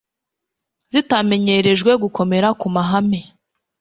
zitamenyerejwe gukomera ku mahame